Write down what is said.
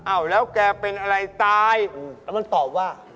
แล้วแกเป็นอะไรตายแล้วมันตอบว่า